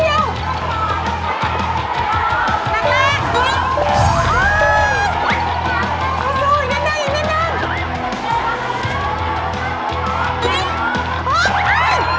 อีกนิดเดียวเอาแบบเมื่อกี้เอาแบบเมื่อกี้